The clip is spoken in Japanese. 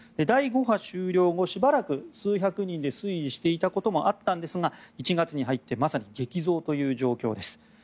第５波終了後、しばらく数百人で推移したこともあったんですが１月に入ってまさに激増という状況です。